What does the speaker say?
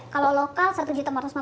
kalau lokal rp satu empat ratus lima puluh